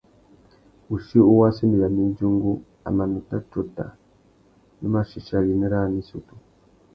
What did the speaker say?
Wuchí uwú a sendéyamú idjungú, a mà nuta tsôta nu mà chichia abimî râā nà issutu.